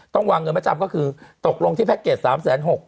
ต้องวางเงินมะจำก็คือตกลงที่แพ็คเกจสามารถ๓๖แสน